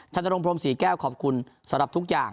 ชนรงพรมศรีแก้วขอบคุณสำหรับทุกอย่าง